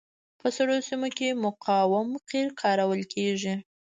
په سړو سیمو کې مقاوم قیر کارول کیږي